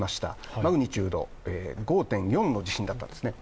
マグニチュード５．４の地震だったんですね。